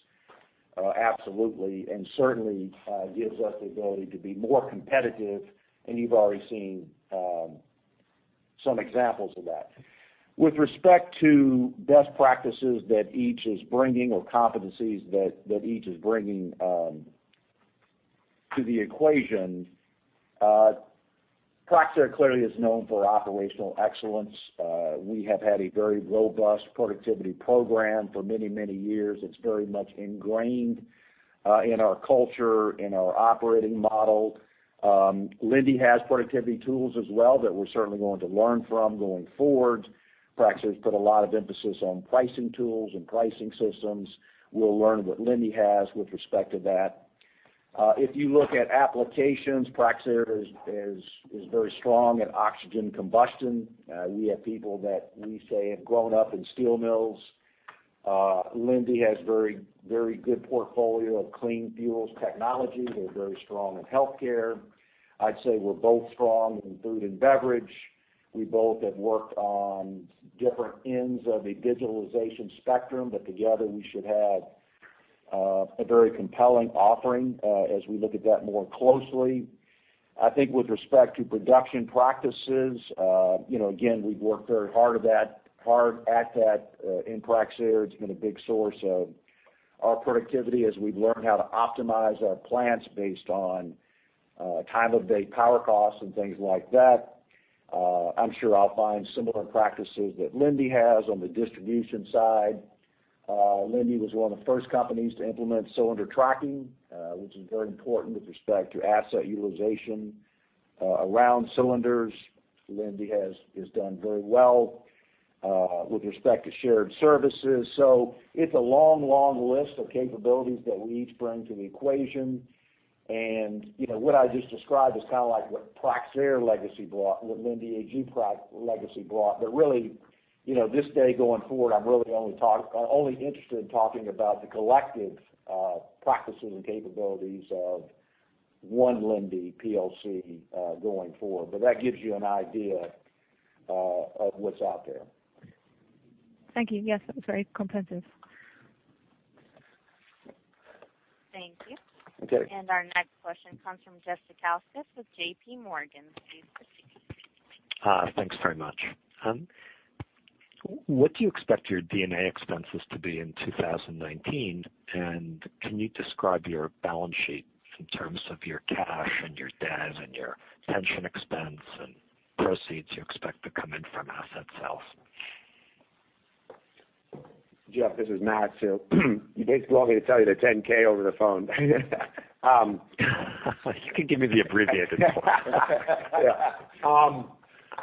absolutely, and certainly gives us the ability to be more competitive, and you've already seen some examples of that. With respect to best practices that each is bringing or competencies that each is bringing to the equation, Praxair clearly is known for operational excellence. We have had a very robust productivity program for many years. It's very much ingrained in our culture, in our operating model. Linde has productivity tools as well that we're certainly going to learn from going forward. Praxair's put a lot of emphasis on pricing tools and pricing systems. We'll learn what Linde has with respect to that. If you look at applications, Praxair is very strong at oxygen combustion. We have people that we say have grown up in steel mills. Linde has very good portfolio of clean fuels technology. They're very strong in healthcare. I'd say we're both strong in food and beverage. We both have worked on different ends of a digitalization spectrum, but together we should have a very compelling offering as we look at that more closely. I think with respect to production practices, again, we've worked very hard at that in Praxair. It's been a big source of our productivity as we've learned how to optimize our plants based on time of day power costs and things like that. I'm sure I'll find similar practices that Linde has on the distribution side. Linde was one of the first companies to implement cylinder tracking, which is very important with respect to asset utilization around cylinders. Linde has done very well with respect to shared services. It's a long list of capabilities that we each bring to the equation. What I just described is kind of like what Linde AG legacy brought. Really, this day going forward, I'm really only interested in talking about the collective practices and capabilities of one Linde plc, going forward. That gives you an idea of what's out there. Thank you. Yes, that was very comprehensive. Thank you. Okay. Our next question comes from Jeffrey Zekauskas with J.P. Morgan. Please proceed. Thanks very much. What do you expect your D&A expenses to be in 2019? Can you describe your balance sheet in terms of your cash and your debt and your pension expense and proceeds you expect to come in from asset sales? Jeff, this is Matt White. You basically want me to tell you the 10-K over the phone. You can give me the abbreviated version.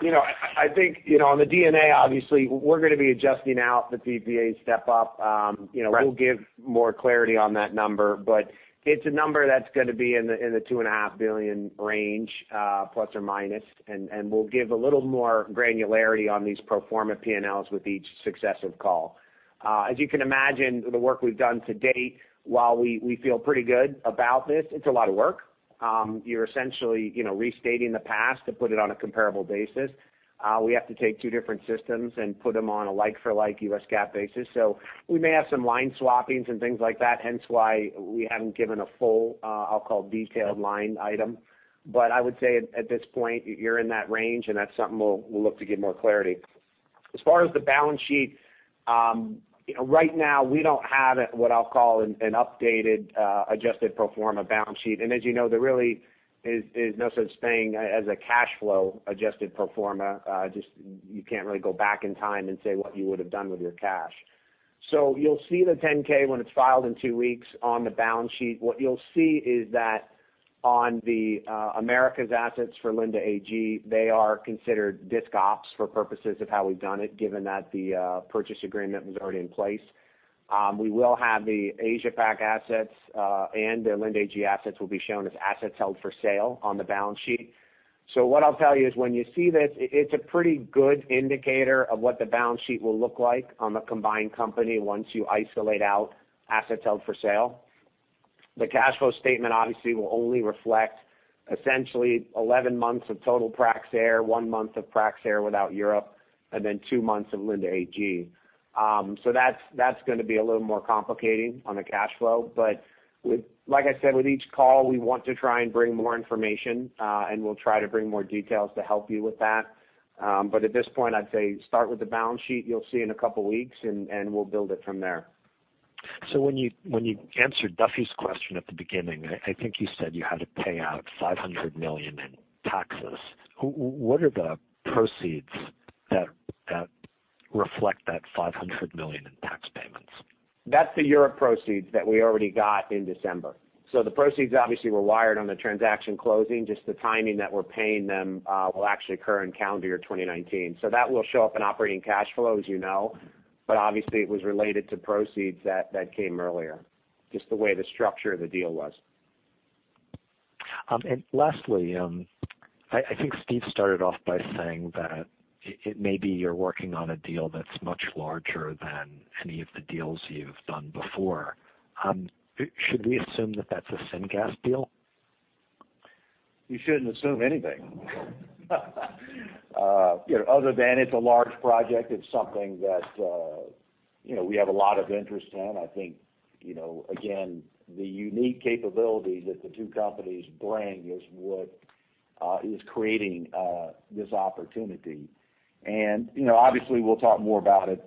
I think, on the D&A, obviously, we're going to be adjusting out the PPA step up. Right. We'll give more clarity on that number. It's a number that's going to be in the $2.5 billion range, ±. We'll give a little more granularity on these pro forma P&Ls with each successive call. As you can imagine, the work we've done to date, while we feel pretty good about this, it's a lot of work. You're essentially restating the past to put it on a comparable basis. We have to take two different systems and put them on a like-for-like U.S. GAAP basis. We may have some line swapping and things like that, hence why we haven't given a full, I'll call detailed line item. I would say at this point, you're in that range, and that's something we'll look to give more clarity. As far as the balance sheet. Right now we don't have what I'll call an updated, adjusted pro forma balance sheet. As you know, there really is no such thing as a cash flow adjusted pro forma. Just you can't really go back in time and say what you would've done with your cash. You'll see the 10-K when it's filed in 2 weeks on the balance sheet. What you'll see is that on the Americas assets for Linde AG, they are considered disc ops for purposes of how we've done it, given that the purchase agreement was already in place. We will have the Asia Pac assets, and the Linde AG assets will be shown as assets held for sale on the balance sheet. What I'll tell you is when you see this, it's a pretty good indicator of what the balance sheet will look like on the combined company once you isolate out assets held for sale. The cash flow statement obviously will only reflect essentially 11 months of total Praxair, one month of Praxair without Europe, and then two months of Linde AG. That's going to be a little more complicating on the cash flow. Like I said, with each call, we want to try and bring more information, and we'll try to bring more details to help you with that. At this point, I'd say start with the balance sheet you'll see in a couple of weeks, and we'll build it from there. When you answered Duffy's question at the beginning, I think you said you had to pay out $500 million in taxes. What are the proceeds that reflect that $500 million in taxes? That's the Europe proceeds that we already got in December. The proceeds obviously were wired on the transaction closing, just the timing that we're paying them will actually occur in calendar year 2019. That will show up in operating cash flow, as you know. Obviously, it was related to proceeds that came earlier, just the way the structure of the deal was. Lastly, I think Steve started off by saying that it may be you're working on a deal that's much larger than any of the deals you've done before. Should we assume that that's a Syngas deal? You shouldn't assume anything. Other than it's a large project, it's something that we have a lot of interest in. I think, again, the unique capabilities that the two companies bring is what is creating this opportunity. Obviously, we'll talk more about it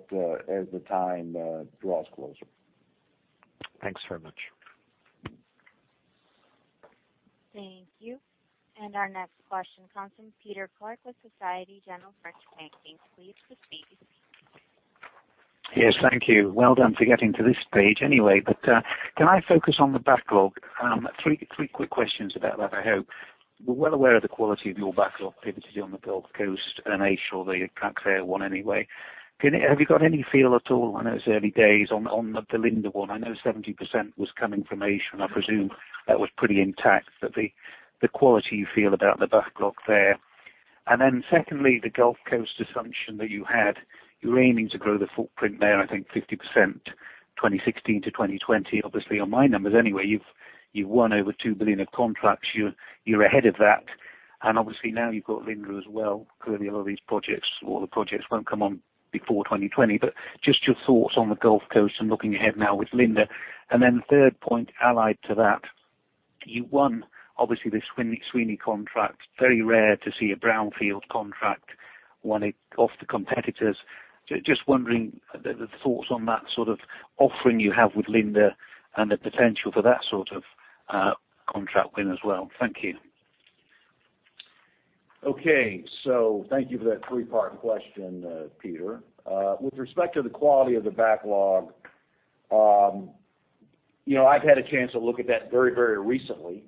as the time draws closer. Thanks very much. Thank you. Our next question comes from Peter Clark with Societe Generale French Banking. Please proceed. Yes, thank you. Well done for getting to this stage anyway. Can I focus on the backlog? Three quick questions about that, I hope. We're well aware of the quality of your backlog, particularly on the Gulf Coast and I'm sure they got the one anyway. Have you got any feel at all, I know it's early days, on the Linde one? I know 70% was coming from Asia, and I presume that was pretty intact, but the quality you feel about the backlog there. Secondly, the Gulf Coast assumption that you had, you were aiming to grow the footprint there, I think 50% 2016 to 2020. Obviously, on my numbers anyway, you've won over $2 billion of contracts. You're ahead of that. Obviously now you've got Linde as well. Clearly, a lot of these projects, or the projects won't come on before 2020. Just your thoughts on the Gulf Coast and looking ahead now with Linde. The third point allied to that, you won obviously this Sweeny contract. Very rare to see a brownfield contract won off the competitors. Just wondering the thoughts on that sort of offering you have with Linde and the potential for that sort of contract win as well. Thank you. Thank you for that three-part question, Peter. With respect to the quality of the backlog, I've had a chance to look at that very recently,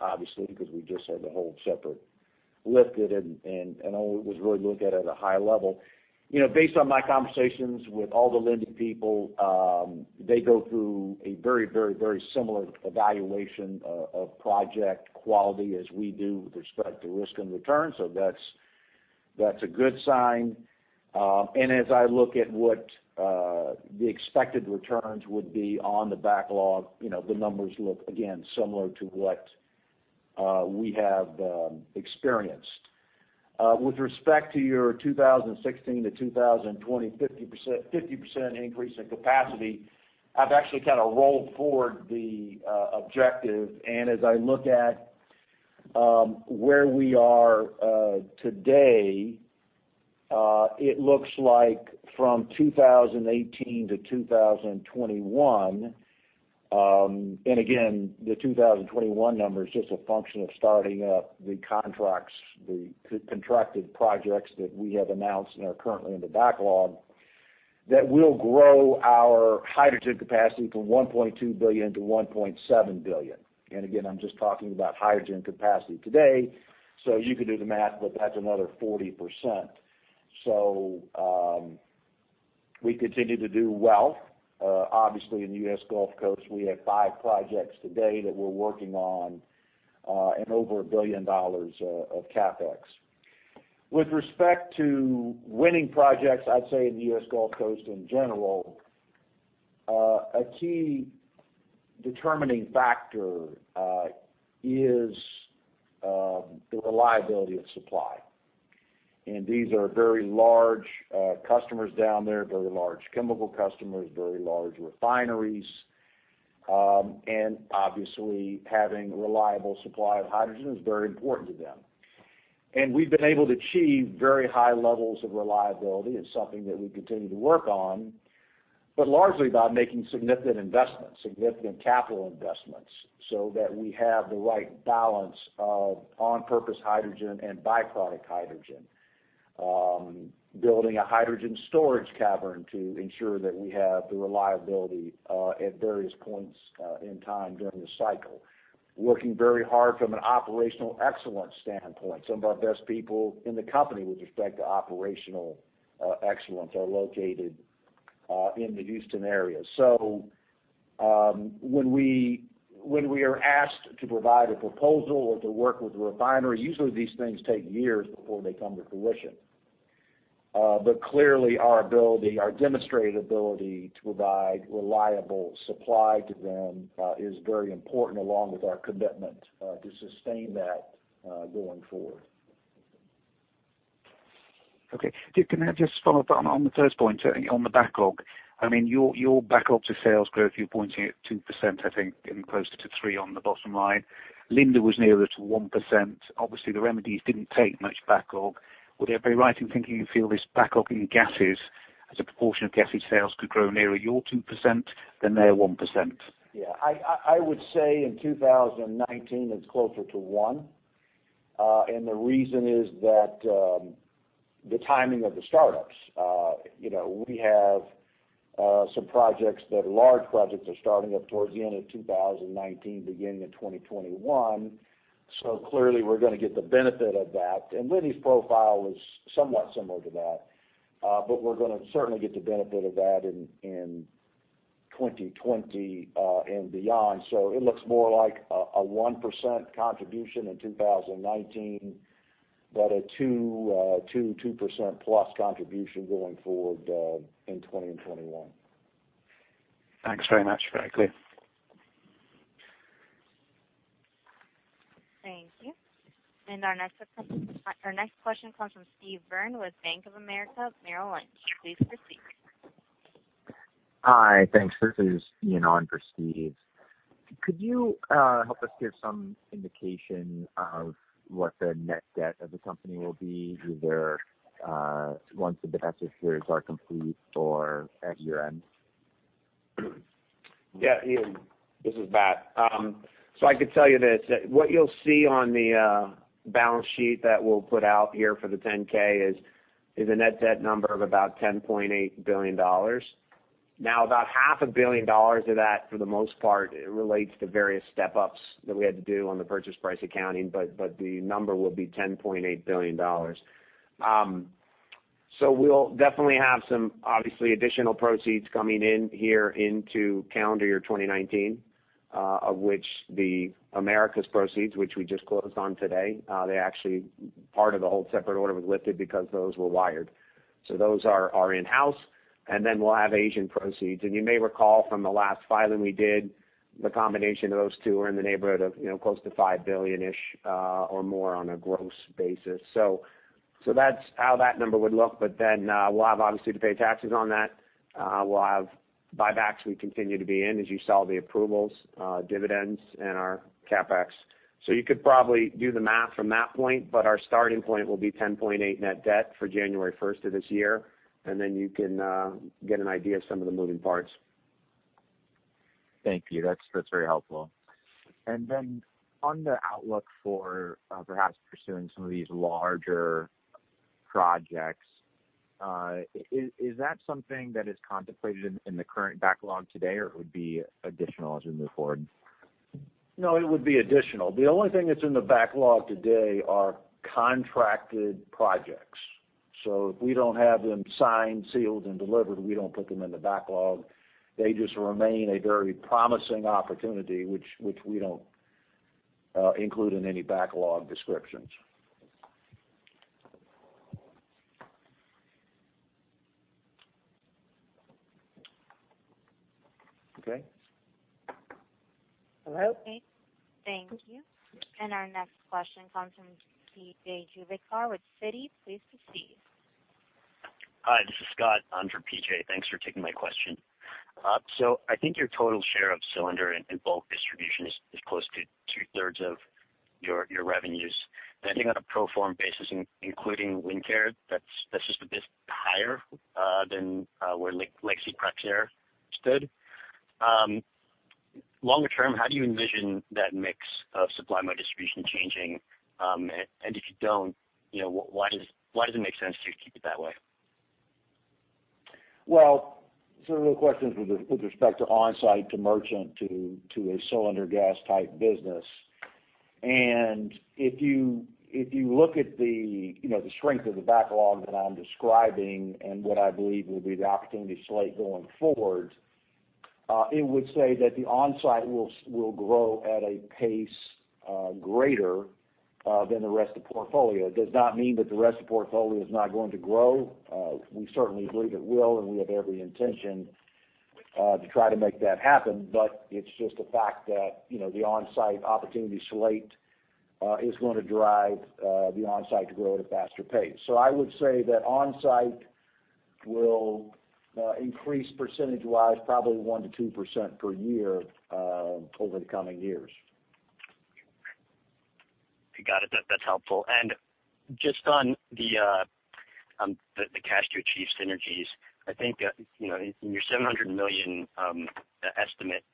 obviously, because we just had the whole separate lifted, and I only was really looking at it at a high level. Based on my conversations with all the Linde people, they go through a very similar evaluation of project quality as we do with respect to risk and return. That's a good sign. As I look at what the expected returns would be on the backlog, the numbers look, again, similar to what we have experienced. With respect to your 2016-2020 50% increase in capacity, I've actually kind of rolled forward the objective. As I look at where we are today, it looks like from 2018-2021, and again, the 2021 number is just a function of starting up the contracts, the contracted projects that we have announced and are currently in the backlog, that we'll grow our hydrogen capacity from $1.2 billion-$1.7 billion. Again, I'm just talking about hydrogen capacity today. You can do the math, but that's another 40%. We continue to do well. Obviously, in the U.S. Gulf Coast, we have five projects today that we're working on and over $1 billion of CapEx. With respect to winning projects, I'd say in the U.S. Gulf Coast in general, a key determining factor is the reliability of supply. These are very large customers down there, very large chemical customers, very large refineries. Obviously, having a reliable supply of hydrogen is very important to them. We've been able to achieve very high levels of reliability. It's something that we continue to work on. Largely by making significant investments, significant capital investments, so that we have the right balance of on-purpose hydrogen and byproduct hydrogen. Building a hydrogen storage cavern to ensure that we have the reliability at various points in time during the cycle. Working very hard from an operational excellence standpoint. Some of our best people in the company with respect to operational excellence are located in the Houston area. When we are asked to provide a proposal or to work with a refinery, usually these things take years before they come to fruition. Clearly our ability, our demonstrated ability to provide reliable supply to them is very important along with our commitment to sustain that going forward. Okay. Can I just follow up on the first point on the backlog? Your backlog to sales growth, you're pointing at 2%, I think getting closer to 3 on the bottom line. Linde was nearer to 1%. Obviously, the remedies didn't take much backlog. Would it be right in thinking you feel this backlog in gases as a proportion of gases sales could grow nearer your 2% than their 1%? Yeah. I would say in 2019 it's closer to 1%. The reason is that the timing of the startups. We have some projects, the large projects are starting up towards the end of 2019, beginning of 2021. Clearly we're going to get the benefit of that. Linde's profile was somewhat similar to that. We're going to certainly get the benefit of that in 2020, and beyond. It looks more like a 1% contribution in 2019, but a 2% plus contribution going forward in 2020 and 2021. Thanks very much. Very clear. Thank you. Our next question comes from Steve Byrne with Bank of America, Merrill Lynch. Please proceed. Hi. Thanks. This is Ian on for Steve. Could you help us give some indication of what the net debt of the company will be either once the divestitures are complete or at year-end? Ian, this is Matt. I could tell you this. What you'll see on the balance sheet that we'll put out here for the 10-K is a net debt number of about $10.8 billion. Now, about half a billion dollars of that, for the most part, relates to various step-ups that we had to do on the purchase price accounting, the number will be $10.8 billion. We'll definitely have some obviously additional proceeds coming in here into calendar year 2019, of which the Americas proceeds, which we just closed on today. They actually, part of the hold separate order was lifted because those were wired. Those are in-house. And then we'll have Asian proceeds. And you may recall from the last filing we did, the combination of those two are in the neighborhood of close to $5 billion-ish, or more on a gross basis. That's how that number would look, we'll have obviously to pay taxes on that. We'll have buybacks we continue to be in, as you saw the approvals, dividends and our CapEx. You could probably do the math from that point, our starting point will be $10.8 net debt for January 1st of this year, you can get an idea of some of the moving parts. Thank you. That's very helpful. On the outlook for perhaps pursuing some of these larger projects, is that something that is contemplated in the current backlog today, or it would be additional as we move forward? No, it would be additional. The only thing that's in the backlog today are contracted projects. If we don't have them signed, sealed, and delivered, we don't put them in the backlog. They just remain a very promising opportunity, which we don't include in any backlog descriptions. Okay. Okay. Thank you. Our next question comes from P.J. Juvekar with Citi. Please proceed. Hi, this is Scott on for PJ. Thanks for taking my question. I think your total share of cylinder and bulk distribution is close to two-thirds of your revenues. I think on a pro forma basis, including Lincare, that's just a bit higher than where legacy Praxair stood. Longer term, how do you envision that mix of supply by distribution changing? If you don't, why does it make sense to keep it that way? The real question is with respect to on-site, to merchant, to a cylinder gas type business. If you look at the strength of the backlog that I'm describing and what I believe will be the opportunity slate going forward, it would say that the on-site will grow at a pace greater than the rest of the portfolio. Does not mean that the rest of the portfolio is not going to grow. We certainly believe it will, and we have every intention to try to make that happen. It's just a fact that the on-site opportunity slate is going to drive the on-site to grow at a faster pace. I would say that on-site will increase percentage wise, probably 1%-2% per year over the coming years. Got it. That's helpful. Just on the cash to achieve synergies, I think, in your $700 million estimate,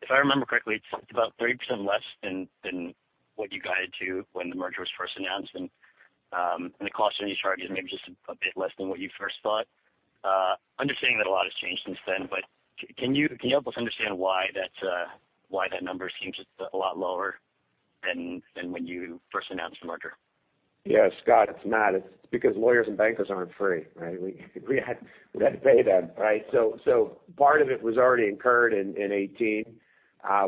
if I remember correctly, it's about 30% less than what you guided to when the merger was first announced and the cost synergy target is maybe just a bit less than what you first thought. Understanding that a lot has changed since then, but can you help us understand why that number seems a lot lower than when you first announced the merger? Yeah, Scott, it's not. It's because lawyers and bankers aren't free, right? We had to pay them, right? Part of it was already incurred in 2018.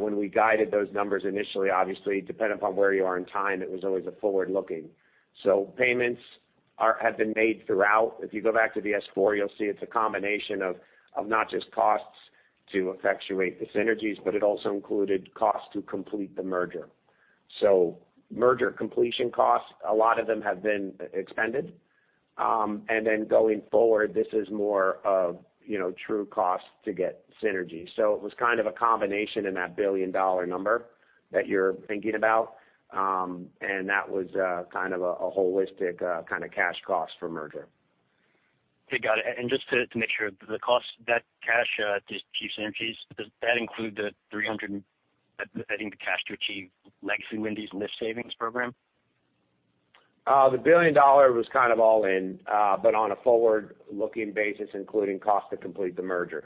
When we guided those numbers initially, obviously dependent upon where you are in time, it was always a forward-looking. Payments have been made throughout. If you go back to the S-4, you'll see it's a combination of not just costs to effectuate the synergies, but it also included costs to complete the merger. Merger completion costs, a lot of them have been expended. Then going forward, this is more of true costs to get synergy. It was kind of a combination in that billion-dollar number that you're thinking about. That was kind of a holistic kind of cash cost for merger. Okay, got it. Just to make sure, the cost, that cash to achieve synergies, does that include the $300, I think, cash to achieve legacy Linde's lift savings program? The $1 billion was kind of all in, but on a forward-looking basis, including cost to complete the merger.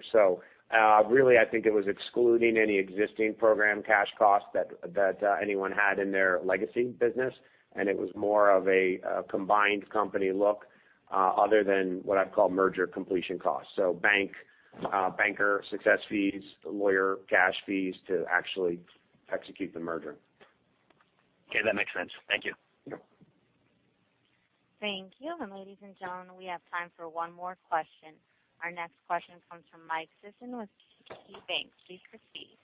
Really, I think it was excluding any existing program cash costs that anyone had in their legacy business, and it was more of a combined company look other than what I'd call merger completion costs. Banker success fees, lawyer cash fees to actually execute the merger. Okay, that makes sense. Thank you. Yep. Thank you. Ladies and gentlemen, we have time for one more question. Our next question comes from Michael Sison with KeyBanc. Please proceed.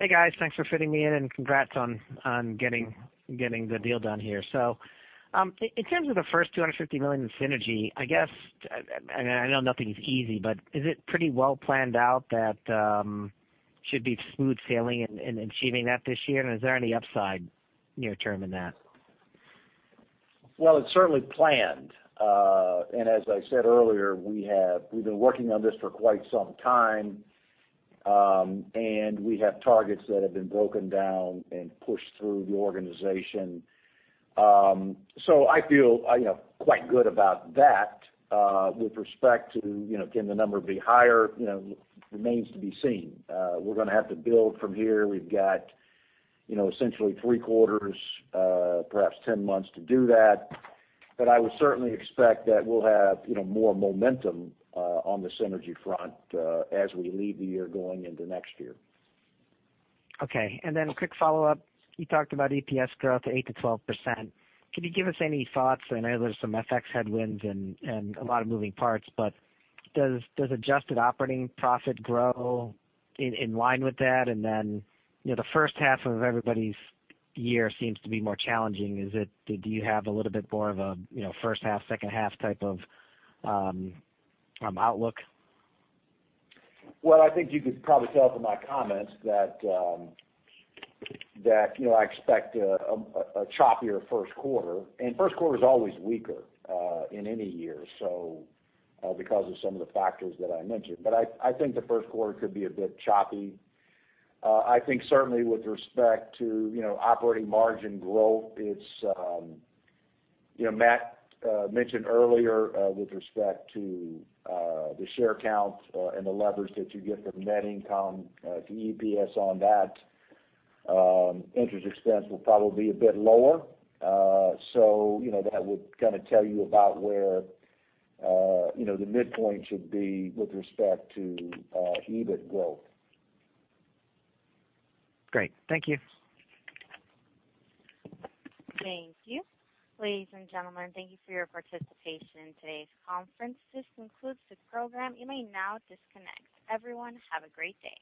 Hey, guys. Thanks for fitting me in, and congrats on getting the deal done here. In terms of the first $250 million in synergy, I know nothing's easy, but is it pretty well planned out that should be smooth sailing in achieving that this year? Is there any upside near-term in that? Well, it's certainly planned. As I said earlier, we've been working on this for quite some time. We have targets that have been broken down and pushed through the organization. I feel quite good about that. With respect to can the number be higher, remains to be seen. We're going to have to build from here. We've got essentially three quarters, perhaps 10 months to do that. I would certainly expect that we'll have more momentum on the synergy front as we leave the year going into next year. Okay. A quick follow-up. You talked about EPS growth of 8%-12%. Could you give us any thoughts? I know there's some FX headwinds and a lot of moving parts. Does adjusted operating profit grow in line with that? The first half of everybody's year seems to be more challenging. Do you have a little bit more of a first half, second half type of outlook? Well, I think you could probably tell from my comments that I expect a choppier first quarter. First quarter is always weaker in any year because of some of the factors that I mentioned. I think the first quarter could be a bit choppy. I think certainly with respect to operating margin growth, Matt White mentioned earlier with respect to the share count and the leverage that you get from net income to EPS on that, interest expense will probably be a bit lower. That would kind of tell you about where the midpoint should be with respect to EBIT growth. Great. Thank you. Thank you. Ladies and gentlemen, thank you for your participation in today's conference. This concludes the program. You may now disconnect. Everyone, have a great day.